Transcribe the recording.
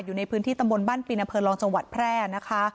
อยู่ในพื้นที่ตำบลบ้านปินอำเภอรองจังหวัดแพร่นะคะ